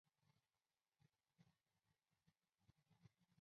朝来市立生野中学校位于日本兵库县朝来市的公立中学校。